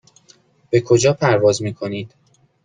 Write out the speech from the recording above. به کجا پرواز میکنید؟